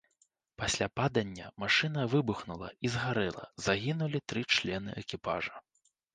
Пасля падання машына выбухнула і згарэла, загінулі тры члены экіпажа.